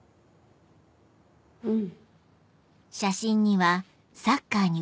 うん。